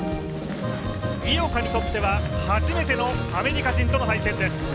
井岡にとっては初めてのアメリカ人との対戦です。